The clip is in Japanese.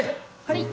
はい。